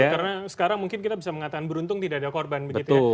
karena sekarang mungkin kita bisa mengatakan beruntung tidak ada korban begitu ya